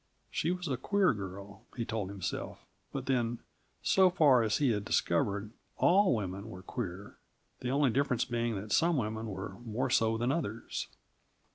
She was a queer girl, he told himself; but then, so far as he had discovered, all women were queer; the only difference being that some women were more so than others.